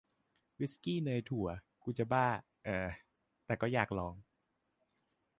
วิสกี้เนยถั่ว กูจะบ้า เออ แต่ก็อยากลอง